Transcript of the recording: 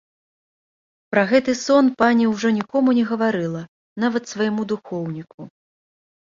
Пра гэты сон пані ўжо нікому не гаварыла, нават свайму духоўніку.